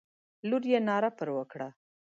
لور یې ناره پر وکړه.